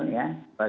sangat kecil ya